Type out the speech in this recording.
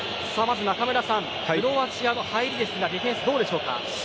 中村さん、クロアチアの入りディフェンス、どうですか。